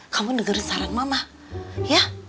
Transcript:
kamu dengerin saran mama